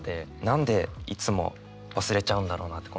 何でいつも忘れちゃうんだろうなって